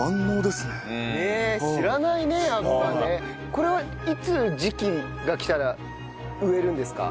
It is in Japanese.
これはいつ時期が来たら植えるんですか？